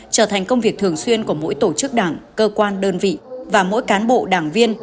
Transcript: trở thành công việc thường xuyên của mỗi tổ chức đảng cơ quan đơn vị và mỗi cán bộ đảng viên